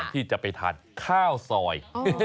ที่จะไปทานข้าวซอย